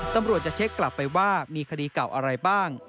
ตำรวจจะเช็คกลับไปว่ามีคดีเก่าอะไรบ้าง